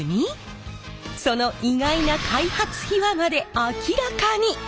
その意外な開発秘話まで明らかに！